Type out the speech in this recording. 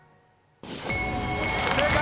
正解！